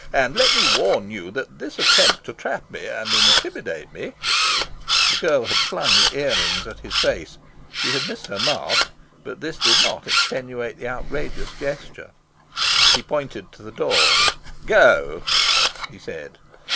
"And let me warn you that this attempt to trap me and intimidate me " The girl had flung the ear rings at his face. She had missed her mark. But this did not extenuate the outrageous gesture. He pointed to the door. "Go!" he said.